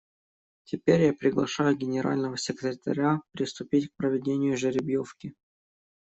Теперь я приглашаю Генерального секретаря приступить к проведению жеребьевки.